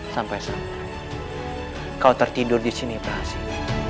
sampai sampai kau tertidur di sini berhasil